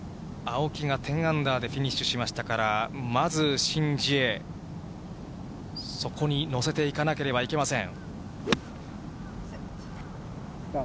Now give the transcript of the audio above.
青木が１０アンダーでフィニッシュしましたから、まずシン・ジエ、そこに乗せていかなければいけません。